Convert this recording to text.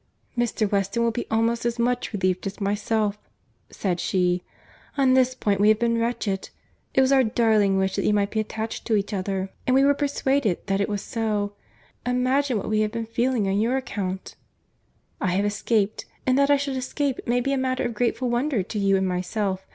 "Mr. Weston will be almost as much relieved as myself," said she. "On this point we have been wretched. It was our darling wish that you might be attached to each other—and we were persuaded that it was so.— Imagine what we have been feeling on your account." "I have escaped; and that I should escape, may be a matter of grateful wonder to you and myself.